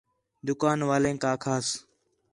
دُُکان والیک آکھاس